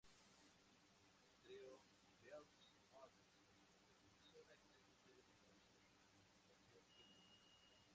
El Trío Beaux Arts hizo una extensa serie de grabaciones para la discográfica Philips.